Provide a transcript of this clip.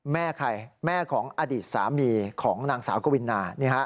แม่ใครแม่ของอดีตสามีของนางสาวกวินา